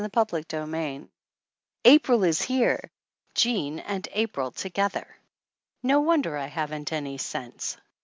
CHAPTER XII APRIL is here! Jean and April together! No wonder I haven't any sense!